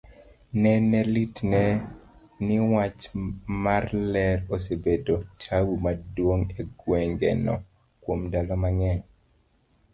nene litne ni wach marler osebedo tabu maduong' egweng' no kuom ndalo mang'eny,